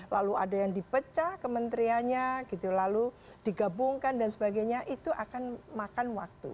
lalu ada yang dipecah kementeriannya gitu lalu digabungkan dan sebagainya itu akan makan waktu